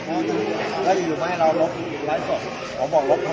สวัสดีครับพี่เบนสวัสดีครับ